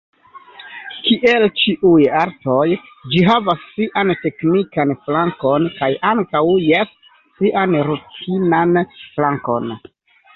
Kiel ĉiuj artoj, ĝi havas sian teknikan flankon, kaj ankaŭ, jes, sian rutinan flankon.